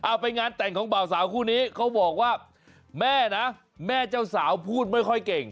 ไปงานแต่งของบ่าวสาวคู่นี้เขาบอกว่าแม่นะแม่เจ้าสาวพูดไม่ค่อยเก่ง